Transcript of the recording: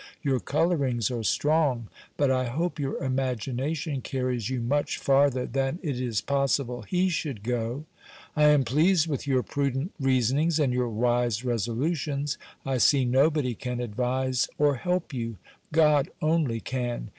Your colourings are strong; but, I hope, your imagination carries you much farther than it is possible he should go. I am pleased with your prudent reasonings, and your wise resolutions. I see nobody can advise or help you. God only can!